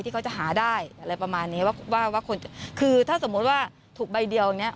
ที่เขาจะหาได้อะไรประมาณนี้คือถ้าสมมติว่าถูกใบเดียวเนี่ย